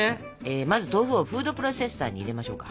まず豆腐をフードプロセッサーに入れましょうか。